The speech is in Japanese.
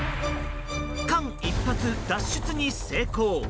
間一髪、脱出に成功。